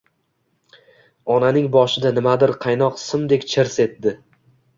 Onaning boshida nimadir qaynoq simdek “chirs” etdi…